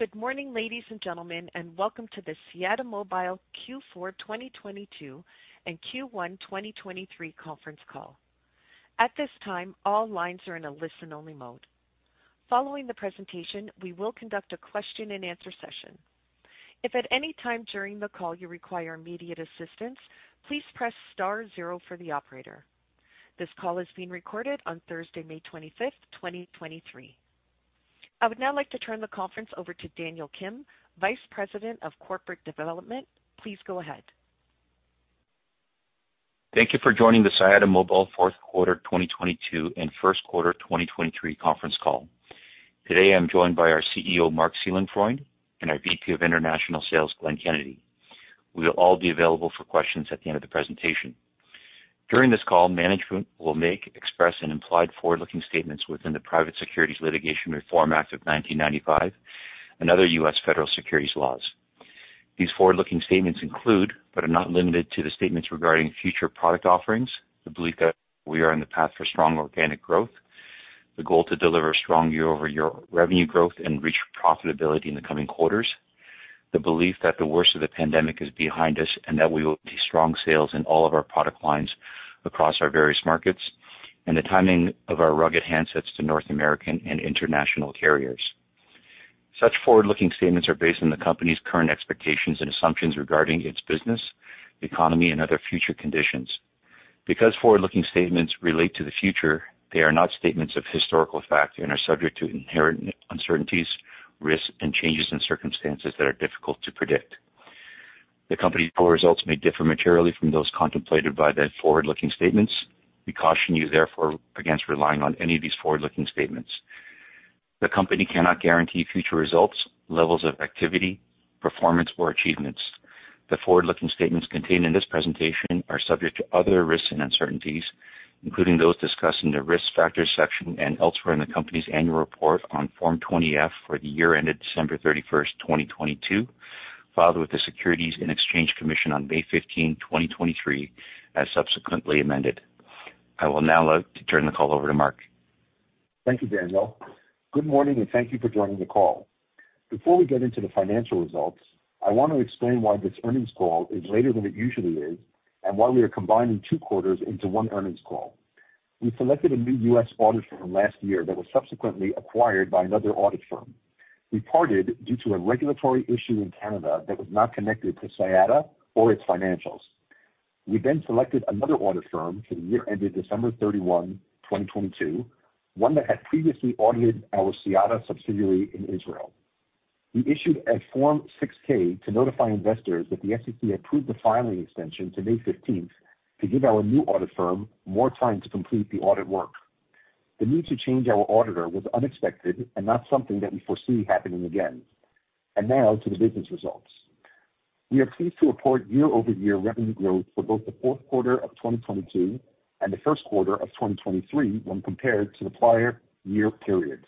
Good morning, ladies and gentlemen, and welcome to the Siyata Mobile Q4 2022 and Q1 2023 conference call. At this time, all lines are in a listen-only mode. Following the presentation, we will conduct a question-and-answer session. If at any time during the call you require immediate assistance, please press star zero for the operator. This call is being recorded on Thursday, May 25, 2023. I would now like to turn the conference over to Daniel Kim, Vice President of Corporate Development. Please go ahead. Thank you for joining the Siyata Mobile fourth quarter 2022 and first quarter 2023 conference call. Today, I'm joined by our CEO, Marc Seelenfreund, and our VP of International Sales, Glenn Kennedy. We will all be available for questions at the end of the presentation. During this call, management will make express and implied forward-looking statements within the Private Securities Litigation Reform Act of 1995 and other U.S. federal securities laws. These forward-looking statements include, but are not limited to, the statements regarding future product offerings, the belief that we are on the path for strong organic growth, the goal to deliver strong year-over-year revenue growth and reach profitability in the coming quarters, the belief that the worst of the pandemic is behind us, and that we will see strong sales in all of our product lines across our various markets, and the timing of our rugged handsets to North American and international carriers. Such forward-looking statements are based on the company's current expectations and assumptions regarding its business, economy, and other future conditions. Because forward-looking statements relate to the future, they are not statements of historical fact and are subject to inherent uncertainties, risks, and changes in circumstances that are difficult to predict. The company's poor results may differ materially from those contemplated by the forward-looking statements. We caution you, therefore, against relying on any of these forward-looking statements. The company cannot guarantee future results, levels of activity, performance, or achievements. The forward-looking statements contained in this presentation are subject to other risks and uncertainties, including those discussed in the Risk Factors section and elsewhere in the company's annual report on Form 20-F for the year ended December 31, 2022, filed with the Securities and Exchange Commission on May 15, 2023, as subsequently amended. I will now like to turn the call over to Marc. Thank you, Daniel. Good morning, thank you for joining the call. Before we get into the financial results, I want to explain why this earnings call is later than it usually is and why we are combining two quarters into one earnings call. We selected a new U.S. auditor firm last year that was subsequently acquired by another audit firm. We parted due to a regulatory issue in Canada that was not connected to Siyata or its financials. We then selected another audit firm for the year ended December 31, 2022, one that had previously audited our Siyata subsidiary in Israel. We issued a Form 6-K to notify investors that the SEC approved the filing extension to May 15th to give our new audit firm more time to complete the audit work. The need to change our auditor was unexpected and not something that we foresee happening again. Now to the business results. We are pleased to report year-over-year revenue growth for both the fourth quarter of 2022 and the first quarter of 2023 when compared to the prior year periods.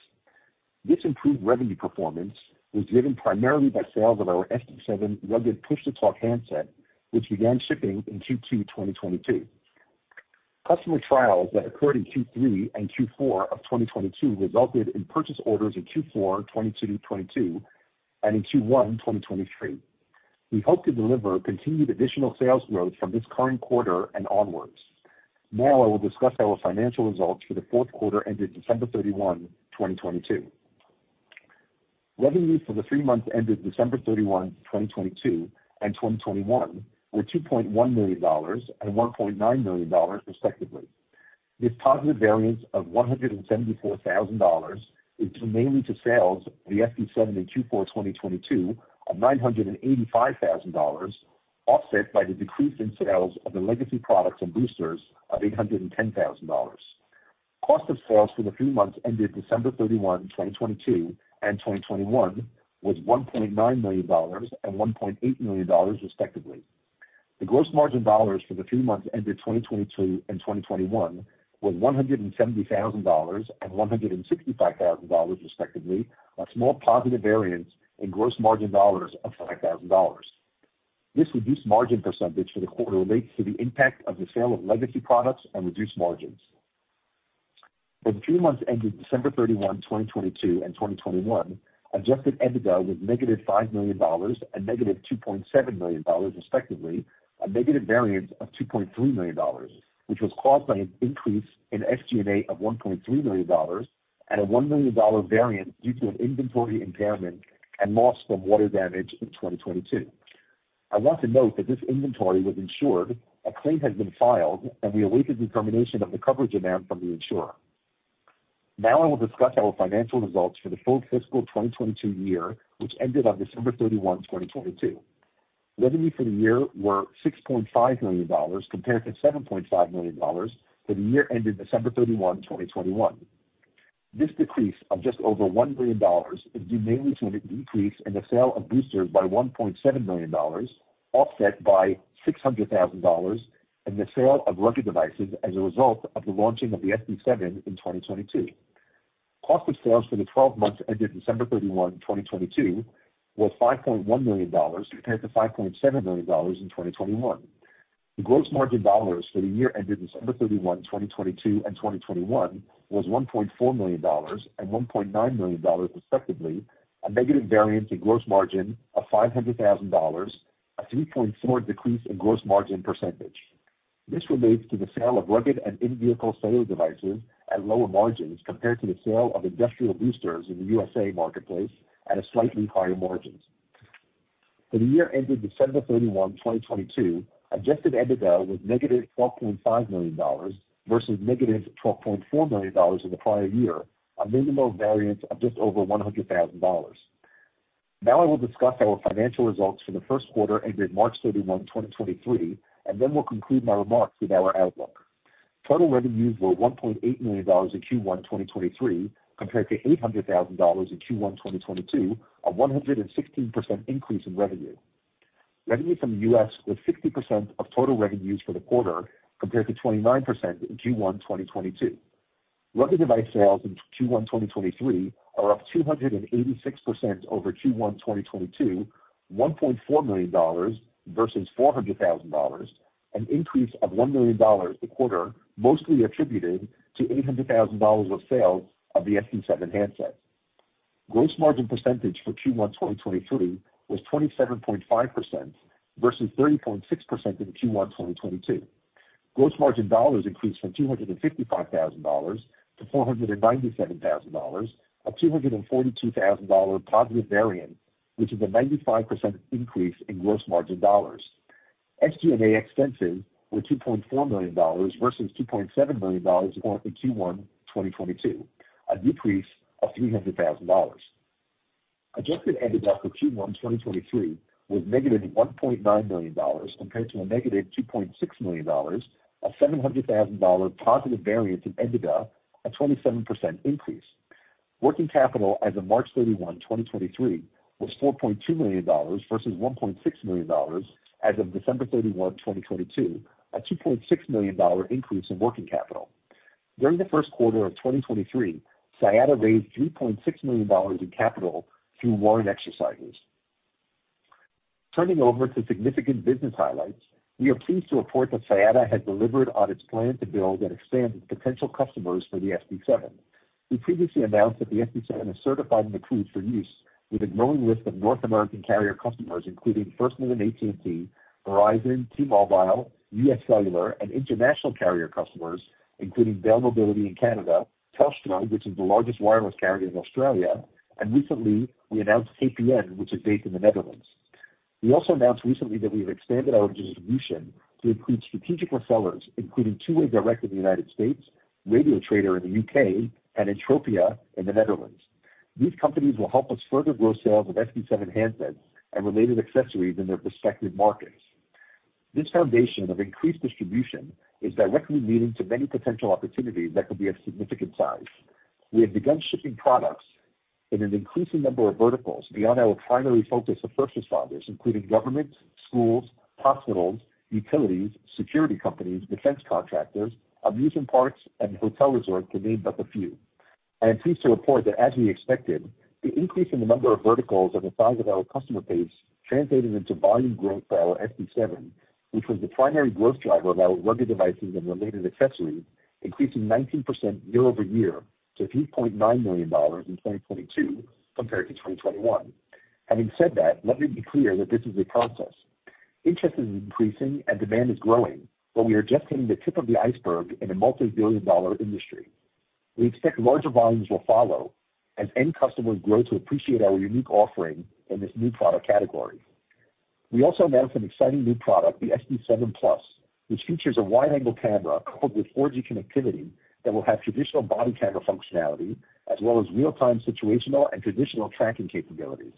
This improved revenue performance was driven primarily by sales of our SD7 rugged push-to-talk handset, which began shipping in Q2 2022. Customer trials that occurred in Q3 and Q4 of 2022 resulted in purchase orders in Q4 2022 and in Q1 2023. We hope to deliver continued additional sales growth from this current quarter and onwards. Now I will discuss our financial results for the fourth quarter ended December 31, 2022. Revenue for the three months ended December 31, 2022, and 2021, were $2.1 million and $1.9 million, respectively. This positive variance of $174,000 is due mainly to sales of the SD7 in Q4 2022 of $985,000, offset by the decrease in sales of the legacy products and boosters of $810,000. Cost of sales for the three months ended December 31, 2022, and 2021, was $1.9 million and $1.8 million, respectively. The gross margin dollars for the 3 months ended 2022 and 2021 were $170,000 and $165,000, respectively, a small positive variance in gross margin dollars of $5,000. This reduced margin percentage for the quarter relates to the impact of the sale of legacy products and reduced margins. For the three months ended December 31, 2022, and 2021, Adjusted EBITDA was -$5 million and -$2.7 million, respectively, a negative variance of $2.3 million, which was caused by an increase in SG&A of $1.3 million and a $1 million variance due to an inventory impairment and loss from water damage in 2022. I want to note that this inventory was insured, a claim has been filed, and we await the determination of the coverage amount from the insurer. Now I will discuss our financial results for the full fiscal 2022 year, which ended on December 31, 2022. Revenue for the year were $6.5 million compared to $7.5 million for the year ended December 31, 2021. This decrease of just over $1 million is due mainly to a decrease in the sale of boosters by $1.7 million, offset by $600,000 in the sale of rugged devices as a result of the launching of the SD7 in 2022. Cost of sales for the 12 months ended December 31, 2022, was $5.1 million compared to $5.7 million in 2021. The gross margin dollars for the year ended December 31, 2022, and 2021, was $1.4 million and $1.9 million, respectively, a negative variance in gross margin of $500,000, a 3.4% decrease in gross margin percentage. This relates to the sale of rugged and in-vehicle cellular devices at lower margins compared to the sale of industrial boosters in the USA marketplace at a slightly higher margins. For the year ended December 31, 2022, Adjusted EBITDA was negative $12.5 million versus negative $12.4 million in the prior year, a minimal variance of just over $100,000. I will discuss our financial results for the first quarter ended March 31, 2023, and then we'll conclude my remarks with our outlook. Total revenues were $1.8 million in Q1, 2023, compared to $800,000 in Q1, 2022, a 116% increase in revenue. Revenue from the U.S. was 60% of total revenues for the quarter, compared to 29% in Q1, 2022. Rugged device sales in Q1, 2023, are up 286% over Q1, 2022, $1.4 million versus $400,000, an increase of $1 million a quarter, mostly attributed to $800,000 of sales of the SD7 handsets. Gross margin percentage for Q1, 2023, was 27.5% versus 30.6% in Q1, 2022. Gross margin dollars increased from $255,000 to $497,000, a $242,000 positive variance, which is a 95% increase in gross margin dollars. SG&A expenses were $2.4 million versus $2.7 million in Q1, 2022, a decrease of $300,000. Adjusted EBITDA for Q1, 2023, was negative $1.9 million compared to a negative $2.6 million, a $700,000 positive variance in EBITDA, a 27% increase. Working capital as of March 31, 2023, was $4.2 million versus $1.6 million as of December 31, 2022, a $2.6 million increase in working capital. During the first quarter of 2023, Siyata raised $3.6 million in capital through warrant exercises. Turning over to significant business highlights, we are pleased to report that Siyata has delivered on its plan to build and expand its potential customers for the SD7. We previously announced that the SD7 is certified and approved for use with a growing list of North American carrier customers, including FirstNet and AT&T, Verizon, T-Mobile, UScellular, and international carrier customers, including Bell Mobility in Canada, Telstra, which is the largest wireless carrier in Australia, and recently we announced KPN, which is based in the Netherlands. We also announced recently that we've expanded our distribution to include strategic resellers, including Two Way Direct in the United States, RadioTrader in the U.K., and Entropia in the Netherlands. These companies will help us further grow sales of SD7 handsets and related accessories in their respective markets. This foundation of increased distribution is directly leading to many potential opportunities that could be of significant size. We have begun shipping products in an increasing number of verticals beyond our primary focus of first responders, including government, schools, hospitals, utilities, security companies, defense contractors, amusement parks, and hotel resorts, to name but a few. I am pleased to report that, as we expected, the increase in the number of verticals and the size of our customer base translated into volume growth for our SD7, which was the primary growth driver of our rugged devices and related accessories, increasing 19% year-over-year to $3.9 million in 2022 compared to 2021. Having said that, let me be clear that this is a process. Interest is increasing and demand is growing, we are just hitting the tip of the iceberg in a multi-billion dollar industry. We expect larger volumes will follow as end customers grow to appreciate our unique offering in this new product category. We also announced an exciting new product, the SD7+, which features a wide-angle camera coupled with 4G connectivity that will have traditional body camera functionality as well as real-time situational and traditional tracking capabilities.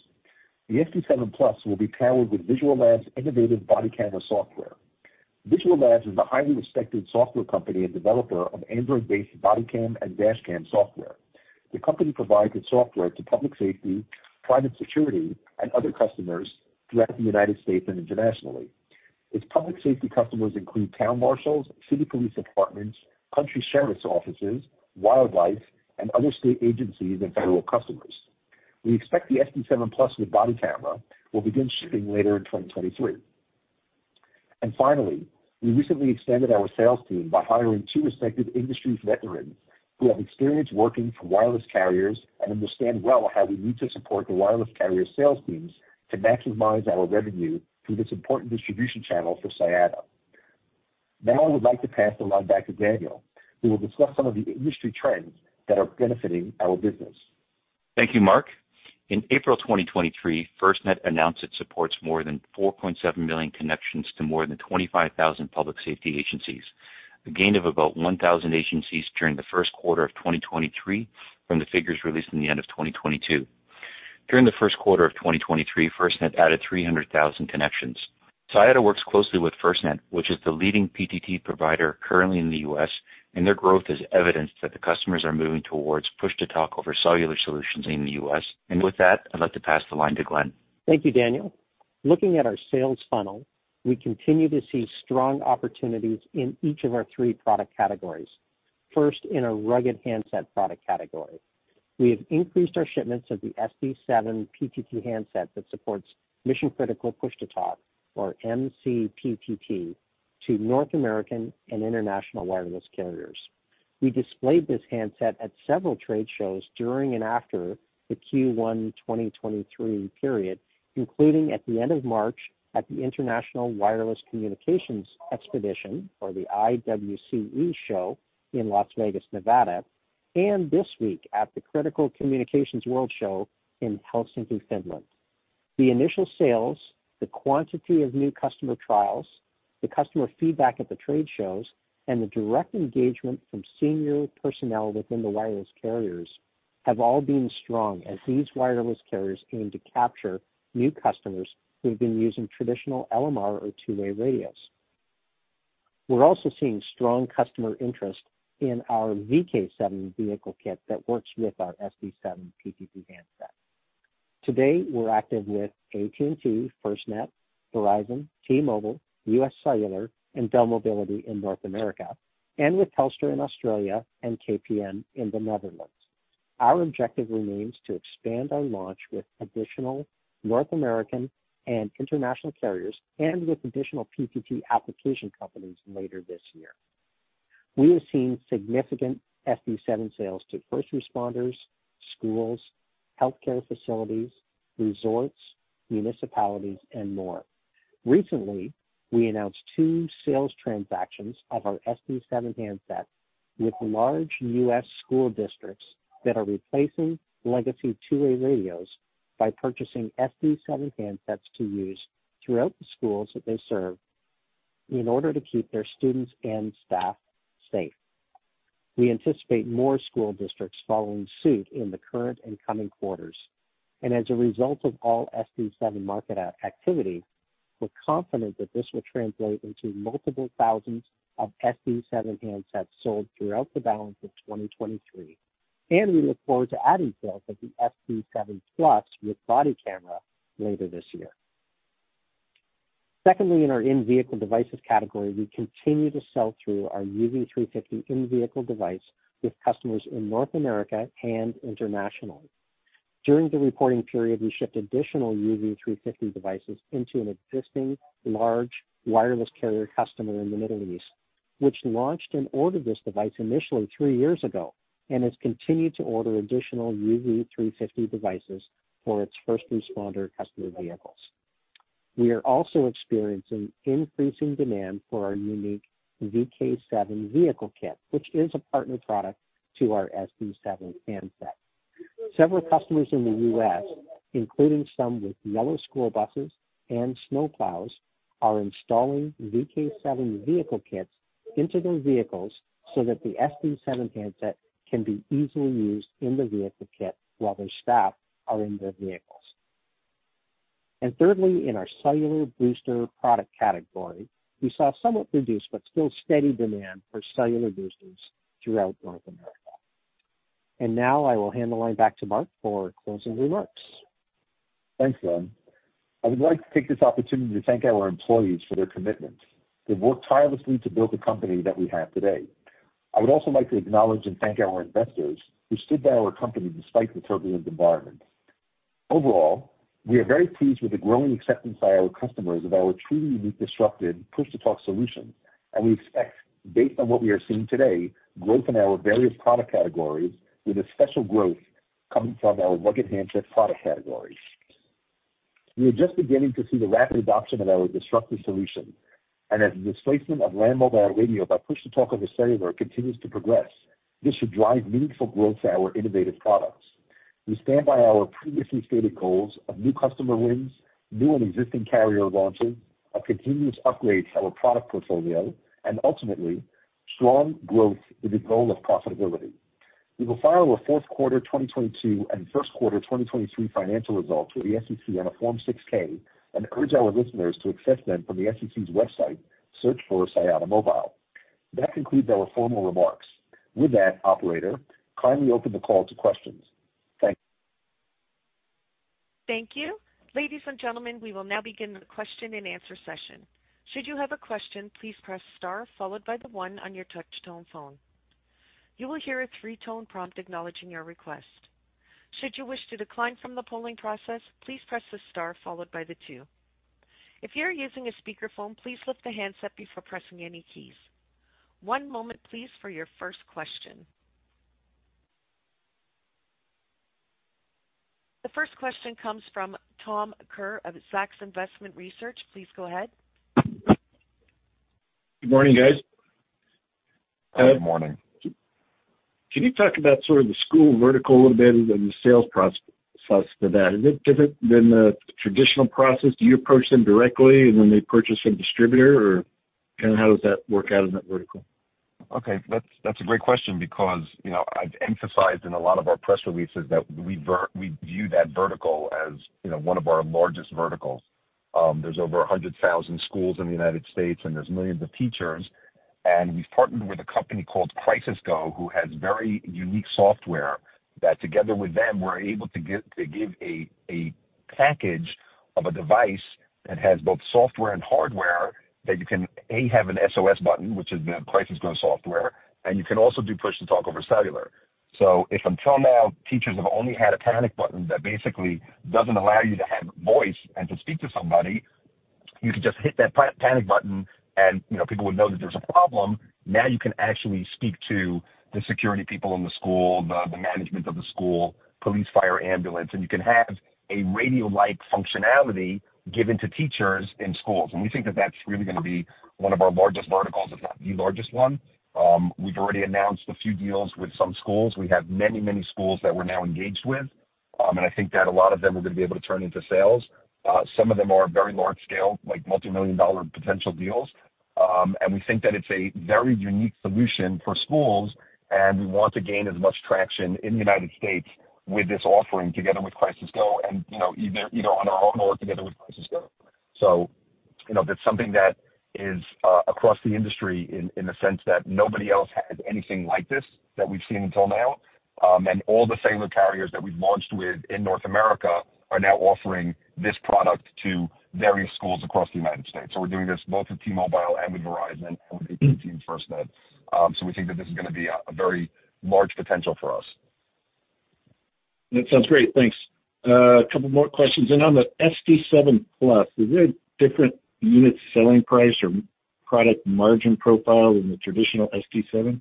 The SD7+ will be powered with Visual Labs' innovative body camera software. Visual Labs is a highly respected software company and developer of Android-based body cam and dashcam software. The company provides its software to public safety, private security, and other customers throughout the United States and internationally. Its public safety customers include town marshals, city police departments, country sheriff's offices, wildlife, and other state agencies and federal customers. We expect the SD7+ with body camera will begin shipping later in 2023. Finally, we recently extended our sales team by hiring two respective industries veterans who have experience working for wireless carriers and understand well how we need to support the wireless carrier sales teams to maximize our revenue through this important distribution channel for Siyata. Now I would like to pass the line back to Daniel, who will discuss some of the industry trends that are benefiting our business. Thank you, Marc. In April 2023, FirstNet announced it supports more than 4.7 million connections to more than 25,000 public safety agencies, a gain of about 1,000 agencies during the first quarter of 2023 from the figures released in the end of 2022. During the first quarter of 2023, FirstNet added 300,000 connections. Siyata works closely with FirstNet, which is the leading PTT provider currently in the U.S., their growth is evidence that the customers are moving towards Push-to-Talk over Cellular solutions in the U.S. With that, I'd like to pass the line to Glenn. Thank you, Daniel. Looking at our sales funnel, we continue to see strong opportunities in each of our three product categories. First, in our rugged handset product category, we have increased our shipments of the SD7 PTT handset that supports mission-critical Push-to-Talk, or MCPTT, to North American and international wireless carriers. We displayed this handset at several trade shows during and after the Q1 2023 period, including at the end of March at the International Wireless Communications Expo, or the IWCE Show in Las Vegas, Nevada, and this week at the Critical Communications World Show in Helsinki, Finland. The initial sales, the quantity of new customer trials, the customer feedback at the trade shows, and the direct engagement from senior personnel within the wireless carriers have all been strong as these wireless carriers aim to capture new customers who have been using traditional LMR or two-way radios. We're also seeing strong customer interest in our VK7 vehicle kit that works with our SD7 PTT handset. Today, we're active with AT&T, FirstNet, Verizon, T-Mobile, UScellular, and Bell Mobility in North America, and with Telstra in Australia and KPN in the Netherlands. Our objective remains to expand our launch with additional North American and international carriers and with additional PTT application companies later this year. We have seen significant SD7 sales to first responders, schools, healthcare facilities, resorts, municipalities, and more. Recently, we announced two sales transactions of our SD7 handsets with large U.S. school districts that are replacing legacy two-way radios by purchasing SD7 handsets to use throughout the schools that they serve in order to keep their students and staff safe. We anticipate more school districts following suit in the current and coming quarters. As a result of all SD7 market activity, we're confident that this will translate into multiple thousands of SD7 handsets sold throughout the balance of 2023, and we look forward to adding sales of the SD7 Plus with body camera later this year. Secondly, in our in-vehicle devices category, we continue to sell through our UV350 in-vehicle device with customers in North America and internationally. During the reporting period, we shipped additional UV350 devices into an existing large wireless carrier customer in the Middle East, which launched and ordered this device initially three years ago and has continued to order additional UV350 devices for its first responder customer vehicles. We are also experiencing increasing demand for our unique VK7 vehicle kit, which is a partner product to our SD7 handset. Several customers in the U.S., including some with yellow school buses and snowplows, are installing VK7 vehicle kits into their vehicles so that the SD7 handset can be easily used in the vehicle kit while their staff are in their vehicles. Thirdly, in our cellular booster product category, we saw somewhat reduced but still steady demand for cellular boosters throughout North America. Now I will hand the line back to Marc for closing remarks. Thanks, Glenn. I would like to take this opportunity to thank our employees for their commitment. They've worked tirelessly to build the company that we have today. I would also like to acknowledge and thank our investors, who stood by our company despite the turbulent environment. Overall, we are very pleased with the growing acceptance by our customers of our truly unique, disruptive Push-to-Talk solution. We expect, based on what we are seeing today, growth in our various product categories, with a special growth coming from our rugged handset product category. We are just beginning to see the rapid adoption of our disruptive solution. As the displacement of land mobile radio by Push-to-Talk over Cellular continues to progress, this should drive meaningful growth to our innovative products. We stand by our previously stated goals of new customer wins, new and existing carrier launches, a continuous upgrade to our product portfolio, and ultimately, strong growth with a goal of profitability. We will file our fourth quarter 2022 and first quarter 2023 financial results with the SEC on a Form 6-K and encourage our listeners to access them from the SEC's website. Search for Siyata Mobile. That concludes our formal remarks. With that, operator, kindly open the call to questions. Thank you. Thank you. Ladies and gentlemen, we will now begin the question-and-answer session. Should you have a question, please press star followed by the one on your touch-tone phone. You will hear a three-tone prompt acknowledging your request. Should you wish to decline from the polling process, please press the star followed by the two. If you are using a speakerphone, please lift the handset before pressing any keys. One moment please, for your first question. The first question comes from Tom Kerr of Zacks Investment Research. Please go ahead. Good morning, guys. Good morning. Can you talk about sort of the school vertical a little bit and the sales process to that? Is it, does it, than the traditional process, do you approach them directly and then they purchase from distributor, or kind of how does that work out in that vertical? Okay, that's a great question because, you know, I've emphasized in a lot of our press releases that we view that vertical as, you know, one of our largest verticals. There's over 100,000 schools in the United States, and there's millions of teachers. We've partnered with a company called CrisisGo, who has very unique software, that together with them, we're able to give a package of a device that has both software and hardware, that you can, A, have an SOS button, which is in the CrisisGo software, and you can also do Push-to-Talk over Cellular. If until now, teachers have only had a panic button that basically doesn't allow you to have voice and to speak to somebody, you can just hit that panic button, and, you know, people would know that there's a problem. You can actually speak to the security people in the school, the management of the school, police, fire, ambulance, and you can have a radio-like functionality given to teachers in schools. We think that that's really gonna be one of our largest verticals, if not the largest one. We've already announced a few deals with some schools. We have many, many schools that we're now engaged with, and I think that a lot of them we're gonna be able to turn into sales. Some of them are very large scale, like multimillion-dollar potential deals. We think that it's a very unique solution for schools, and we want to gain as much traction in the United States with this offering together with CrisisGo, and, you know, either, you know, on our own or together with CrisisGo. You know, that's something that is across the industry in the sense that nobody else has anything like this, that we've seen until now. All the cellular carriers that we've launched with in North America are now offering this product to various schools across the United States. We're doing this both with T-Mobile and with Verizon and with AT&T FirstNet. We think that this is gonna be a very large potential for us. That sounds great. Thanks. A couple more questions. On the SD7+, is there a different unit selling price or product margin profile than the traditional SD7?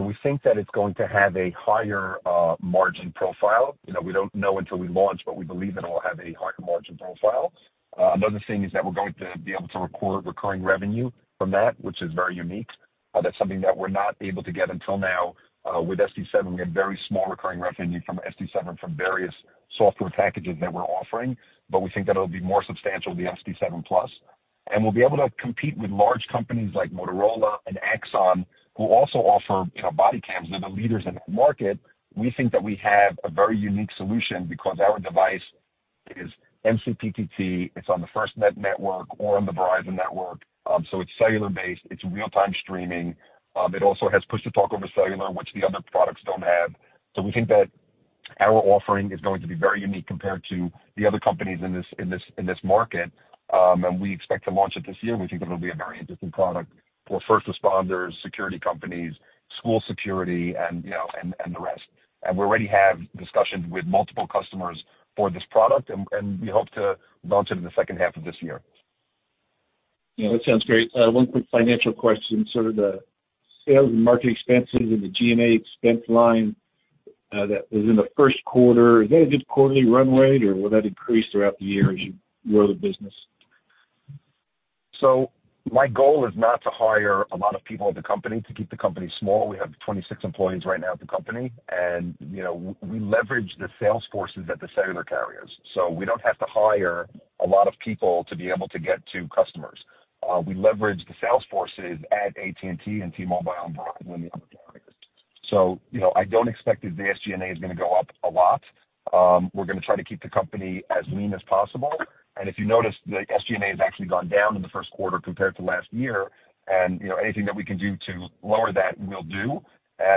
We think that it's going to have a higher margin profile. You know, we don't know until we launch, but we believe that it will have a higher margin profile. Another thing is that we're going to be able to record recurring revenue from that, which is very unique. That's something that we're not able to get until now. With SD7, we had very small recurring revenue from SD7 from various software packages that we're offering, but we think that it'll be more substantial with the SD7+. We'll be able to compete with large companies like Motorola and Axon, who also offer, you know, body cams. They're the leaders in that market. We think that we have a very unique solution because our device is MCPTT, it's on the FirstNet network or on the Verizon network, so it's cellular-based, it's real-time streaming. It also has Push-to-Talk over Cellular, which the other products don't have. We think that our offering is going to be very unique compared to the other companies in this market. We expect to launch it this year. We think it'll be a very interesting product for first responders, security companies, school security, and, you know, and the rest. We already have discussions with multiple customers for this product, and we hope to launch it in the second half of this year. Yeah, that sounds great. One quick financial question. The sales and marketing expenses and the G&A expense line, that is in the first quarter, is that a good quarterly run rate, or will that increase throughout the year as you grow the business? My goal is not to hire a lot of people at the company, to keep the company small. We have 26 employees right now at the company, you know, we leverage the sales forces at the cellular carriers, so we don't have to hire a lot of people to be able to get to customers. We leverage the sales forces at AT&T and T-Mobile and Verizon and the other carriers. You know, I don't expect that the SG&A is gonna go up a lot. We're gonna try to keep the company as lean as possible. If you notice, the SG&A has actually gone down in the first quarter compared to last year. You know, anything that we can do to lower that, we'll do.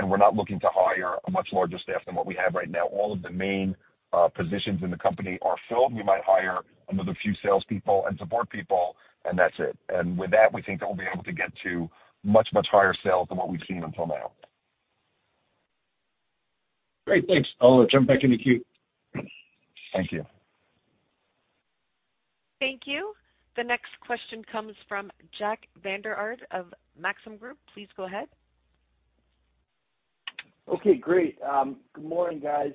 We're not looking to hire a much larger staff than what we have right now. All of the main positions in the company are filled. We might hire another few salespeople and support people, and that's it. With that, we think that we'll be able to get to much, much higher sales than what we've seen until now. Great, thanks. I'll jump back in the queue. Thank you. Thank you. The next question comes from Jack Vander Aarde of Maxim Group. Please go ahead. Okay, great. Good morning, guys.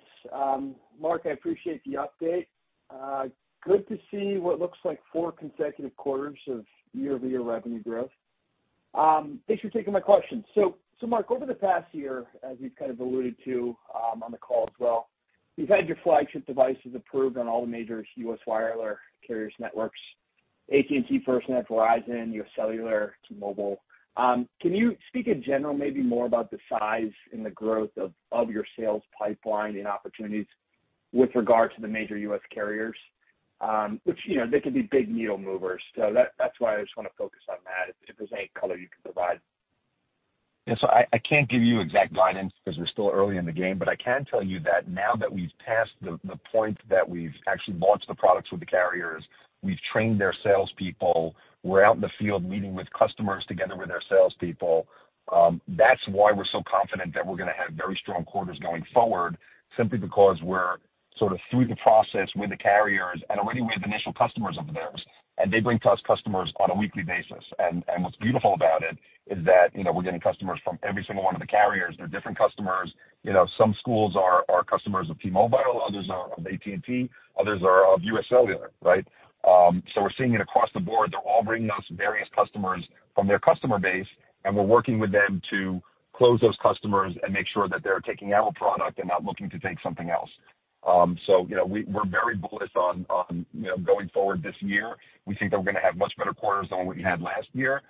Marc, I appreciate the update. Good to see what looks like four consecutive quarters of year-over-year revenue growth. Thanks for taking my questions. Marc, over the past year, as you've kind of alluded to, on the call as well, you've had your flagship devices approved on all the major U.S. wireless carriers networks, AT&T FirstNet, Verizon, UScellular, T-Mobile. Can you speak in general, maybe more about the size and the growth of your sales pipeline and opportunities with regard to the major U.S. carriers? Which, you know, they can be big needle movers, so that's why I just wanna focus on that, if there's any color you can provide. I can't give you exact guidance because we're still early in the game, but I can tell you that now that we've passed the point that we've actually launched the products with the carriers, we've trained their salespeople, we're out in the field meeting with customers together with their salespeople. That's why we're so confident that we're gonna have very strong quarters going forward, simply because we're sort of through the process with the carriers. Already we have initial customers of theirs. They bring to us customers on a weekly basis. What's beautiful about it is that, you know, we're getting customers from every single one of the carriers. They're different customers. You know, some schools are customers of T-Mobile, others are of AT&T, others are of UScellular, right? We're seeing it across the board. They're all bringing us various customers from their customer base, and we're working with them to close those customers and make sure that they're taking our product and not looking to take something else. You know, we're very bullish on, you know, going forward this year. We think that we're gonna have much better quarters than what we had last year.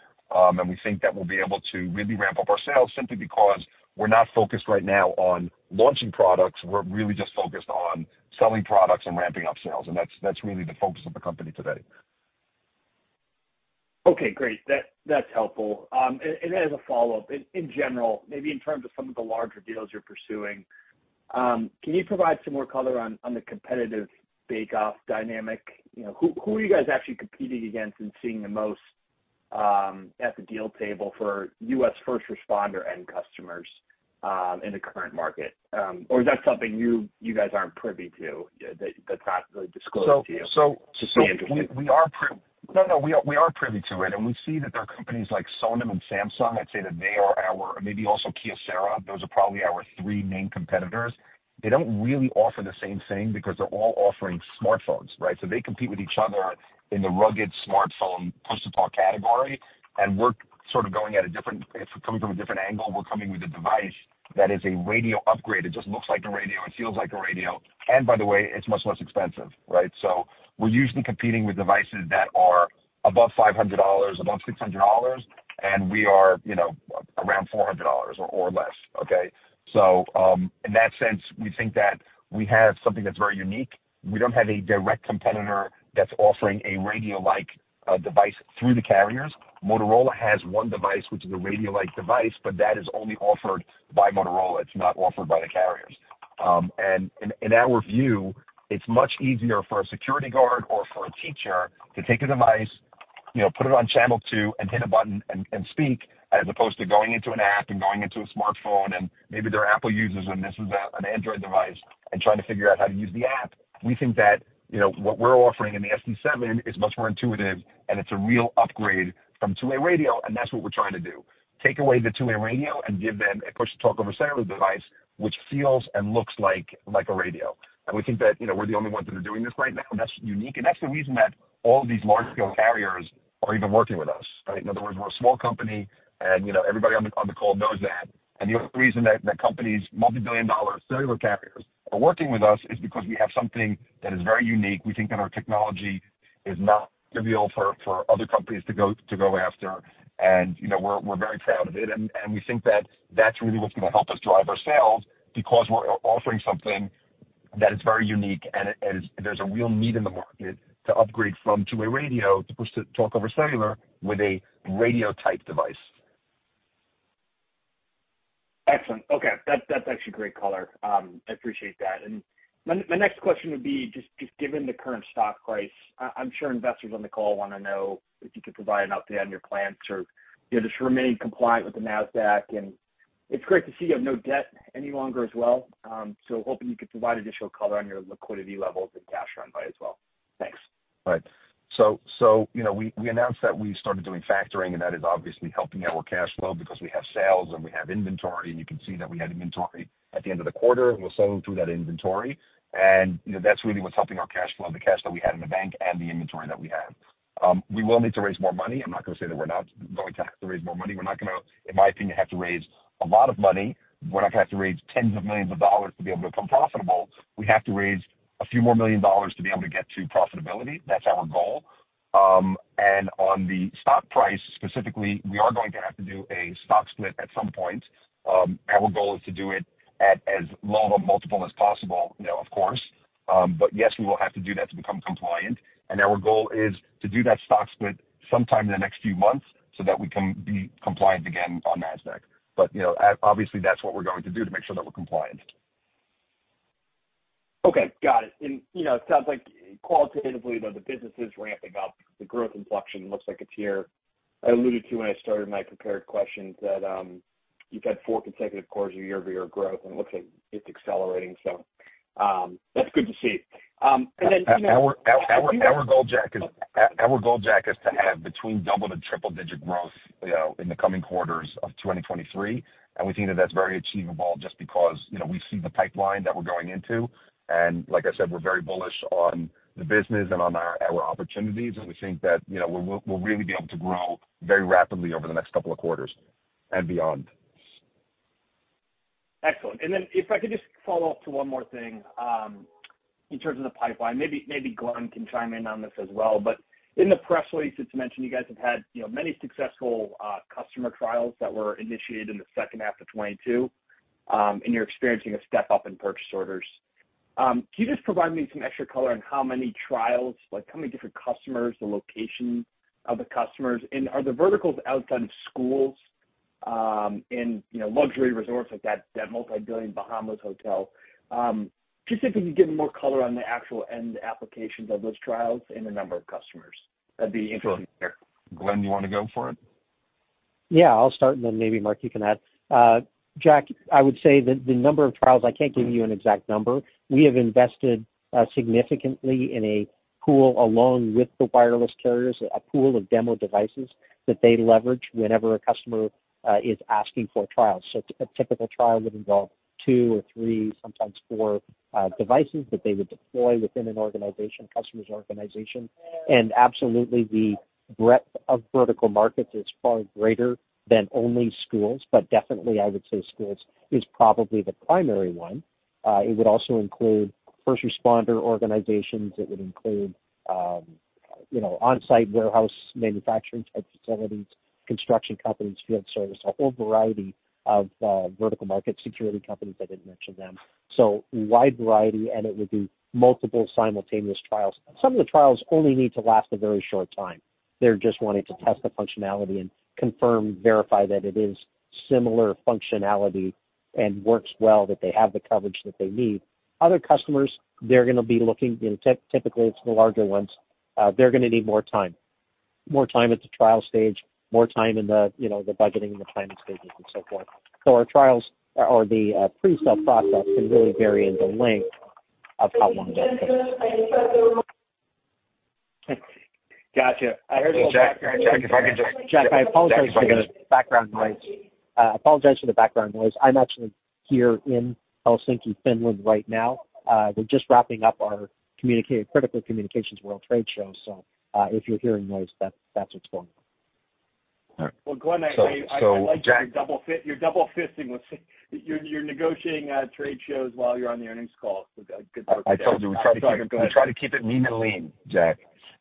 We think that we'll be able to really ramp up our sales simply because we're not focused right now on launching products. We're really just focused on selling products and ramping up sales, and that's really the focus of the company today. Okay, great. That's helpful. As a follow-up, in general, maybe in terms of some of the larger deals you're pursuing, can you provide some more color on the competitive bake-off dynamic? You know, who are you guys actually competing against and seeing the most at the deal table for U.S. first responder end customers in the current market? Or is that something you guys aren't privy to, that's not really disclosed to you? We are privy to it, and we see that there are companies like Sonim and Samsung. I'd say that they are our, maybe also Kyocera. Those are probably our three main competitors. They don't really offer the same thing because they're all offering smartphones, right? They compete with each other in the rugged smartphone, push-to-talk category, and we're sort of coming from a different angle. We're coming with a device that is a radio upgrade. It just looks like a radio, it feels like a radio, and by the way, it's much less expensive, right? We're usually competing with devices that are above $500, above $600, and we are, you know, around $400 or less, okay. In that sense, we think that we have something that's very unique. We don't have a direct competitor that's offering a radio-like device through the carriers. Motorola has one device, which is a radio-like device, but that is only offered by Motorola. It's not offered by the carriers. In our view, it's much easier for a security guard or for a teacher to take a device, you know, put it on channel two and hit a button and speak, as opposed to going into an app and going into a smartphone, and maybe they're Apple users, and this is an Android device, and trying to figure out how to use the app. We think that, you know, what we're offering in the SD7 is much more intuitive, and it's a real upgrade from two-way radio, and that's what we're trying to do, take away the two-way radio and give them a Push-to-Talk over Cellular device, which feels and looks like a radio. We think that, you know, we're the only ones that are doing this right now. That's unique, and that's the reason that all of these large-scale carriers are even working with us, right? In other words, we're a small company, and, you know, everybody on the, on the call knows that. The only reason that companies, multibillion-dollar cellular carriers, are working with us is because we have something that is very unique. We think that our technology is not trivial for other companies to go after, and, you know, we're very proud of it. We think that that's really what's going to help us drive our sales, because we're offering something that is very unique, and there's a real need in the market to upgrade from two-way radio, to Push-to-Talk over Cellular with a radio-type device. Excellent. Okay. That's actually great color. I appreciate that. My next question would be just given the current stock price, I'm sure investors on the call want to know if you could provide an update on your plans or, you know, just remaining compliant with the Nasdaq. It's great to see you have no debt any longer as well. Hoping you could provide additional color on your liquidity levels and cash runway as well. Thanks. Right. You know, we announced that we started doing factoring, and that is obviously helping our cash flow because we have sales and we have inventory, and you can see that we had inventory at the end of the quarter, and we're selling through that inventory. You know, that's really what's helping our cash flow, the cash that we had in the bank and the inventory that we have. We will need to raise more money. I'm not going to say that we're not going to have to raise more money. We're not gonna, in my opinion, have to raise a lot of money. We're not gonna have to raise tens of millions of dollars to be able to become profitable. We have to raise a few more million dollars to be able to get to profitability. That's our goal. On the stock price, specifically, we are going to have to do a stock split at some point. Our goal is to do it at as low of a multiple as possible, you know, of course. Yes, we will have to do that to become compliant. Our goal is to do that stock split sometime in the next few months so that we can be compliant again on Nasdaq. You know, obviously, that's what we're going to do to make sure that we're compliant. Okay, got it. You know, it sounds like qualitatively, though, the business is ramping up. The growth inflection looks like it's here. I alluded to when I started my prepared questions that you've had four consecutive quarters of year-over-year growth, and it looks like it's accelerating. That's good to see. Then, you know. Our goal, Jack, is to have between double to triple-digit growth, you know, in the coming quarters of 2023. We think that that's very achievable just because, you know, we see the pipeline that we're going into. Like I said, we're very bullish on the business and on our opportunities, and we think that, you know, we'll really be able to grow very rapidly over the next couple of quarters and beyond. Excellent. If I could just follow up to one more thing, in terms of the pipeline, maybe Glenn can chime in on this as well. In the press release, it's mentioned you guys have had, you know, many successful customer trials that were initiated in the second half of 2022, and you're experiencing a step-up in purchase orders. Can you just provide me some extra color on how many trials, like how many different customers, the location of the customers, and are the verticals outside of schools, and, you know, luxury resorts like that multibillion Bahamas hotel? Just if you could give more color on the actual end applications of those trials and the number of customers, that'd be interesting. Sure. Glenn, you want to go for it? Yeah, I'll start, and then maybe, Marc, you can add. Jack, I would say that the number of trials, I can't give you an exact number. We have invested significantly in a pool, along with the wireless carriers, a pool of demo devices that they leverage whenever a customer is asking for a trial. A typical trial would involve two or three, sometimes four devices that they would deploy within an organization, customer's organization. Absolutely, the breadth of vertical markets is far greater than only schools, but definitely I would say schools is probably the primary one. It would also include first responder organizations. It would include, you know, on-site warehouse manufacturing type facilities, construction companies, field service, a whole variety of vertical market security companies. I didn't mention them. Wide variety, and it would be multiple simultaneous trials. Some of the trials only need to last a very short time. They're just wanting to test the functionality and confirm, verify that similar functionality and works well, that they have the coverage that they need. Other customers, they're going to be looking, you know, typically, it's the larger ones. They're going to need more time. More time at the trial stage, more time in the, you know, the budgeting and the timing stages and so forth. Our trials or the pre-sale process can really vary in the length of how long that takes. Got you. Jack, if I could just, Jack, I apologize for the background noise. I'm actually here in Helsinki, Finland, right now. We're just wrapping up our Critical Communications World Trade Show. If you're hearing noise, that's what's going on. All right. Glenn, I like your double fist, you're double fisting with, you're negotiating trade shows while you're on the earnings call. Good work there. I told you, we try to keep it mean and lean, Jack.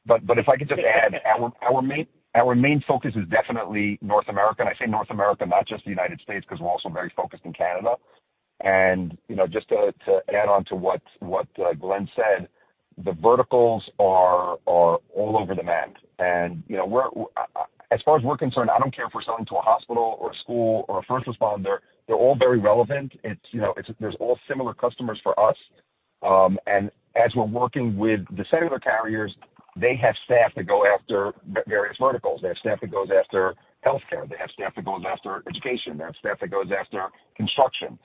If I could just add, our main focus is definitely North America. I say North America, not just the United States, because we're also very focused in Canada. You know, just to add on to what Glenn said, the verticals are all over the map. You know, as far as we're concerned, I don't care if we're selling to a hospital or a school or a first responder. They're all very relevant. You know, they're all similar customers for us. As we're working with the cellular carriers, they have staff that go after various verticals. They have staff that goes after healthcare. They have staff that goes after education. They have staff that goes after construction.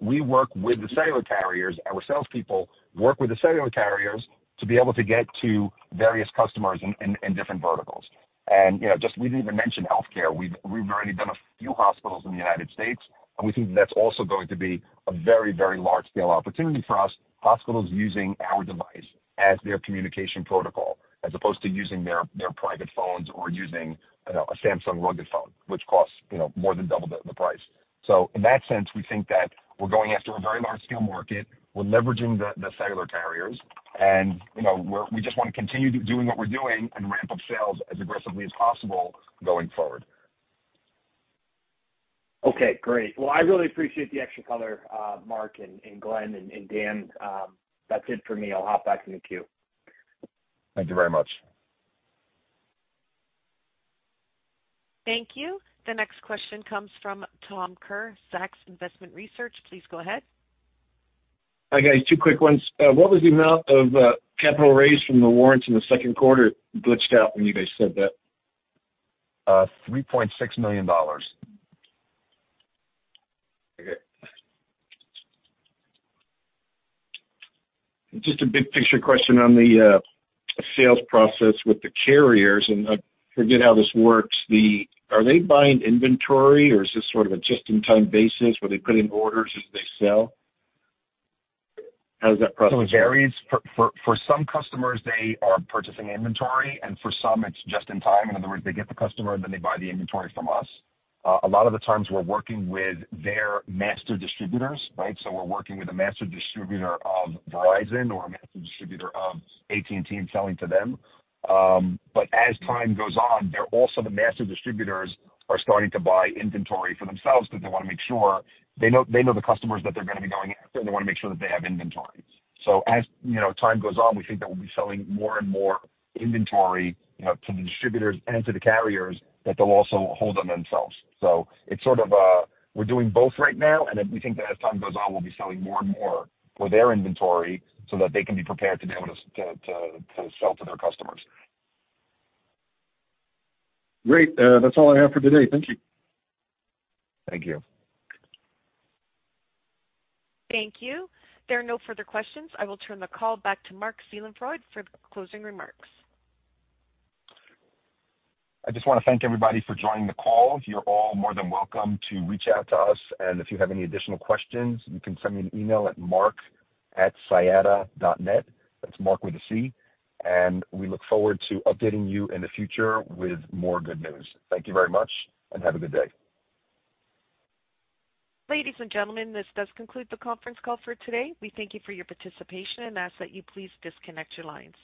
We work with the cellular carriers. Our salespeople work with the cellular carriers to be able to get to various customers in different verticals. You know, just we didn't even mention healthcare. We've already done a few hospitals in the United States, and we think that's also going to be a very, very large-scale opportunity for us, hospitals using our device as their communication protocol, as opposed to using their private phones or using, you know, a Samsung rugged phone, which costs, you know, more than double the price. In that sense, we think that we're going after a very large-scale market. We're leveraging the cellular carriers. You know, we just want to continue doing what we're doing and ramp up sales as aggressively as possible going forward. Okay, great. Well, I really appreciate the extra color, Marc and Glenn and Dan. That's it for me. I'll hop back in the queue. Thank you very much. Thank you. The next question comes from Tom Kerr, Zacks Investment Research. Please go ahead. Hi, guys, two quick ones. What was the amount of capital raised from the warrants in the second quarter? It glitched out when you guys said that. $3.6 million. Okay. Just a big picture question on the sales process with the carriers. I forget how this works. Are they buying inventory, or is this sort of a just-in-time basis, where they put in orders as they sell? How does that process work? It varies. For some customers, they are purchasing inventory, and for some it's just in time. In other words, they get the customer, and then they buy the inventory from us. A lot of the times we're working with their master distributors, right? We're working with a master distributor of Verizon or a master distributor of AT&T and selling to them. But as time goes on, also the master distributors are starting to buy inventory for themselves because they want to make sure. They know the customers that they're going to be going after, and they want to make sure that they have inventory. As, you know, time goes on, we think that we'll be selling more and more inventory, you know, to the distributors and to the carriers, that they'll also hold on themselves. It's sort of, we're doing both right now, and then we think that as time goes on, we'll be selling more and more for their inventory so that they can be prepared to be able to sell to their customers. Great. That's all I have for today. Thank you. Thank you. Thank you. There are no further questions. I will turn the call back to Marc Seelenfreund for the closing remarks. I just want to thank everybody for joining the call. You're all more than welcome to reach out to us. If you have any additional questions, you can send me an email at marc@siyata.net. That's Marc with a C. We look forward to updating you in the future with more good news. Thank you very much, and have a good day. Ladies and gentlemen, this does conclude the conference call for today. We thank you for your participation and ask that you please disconnect your lines.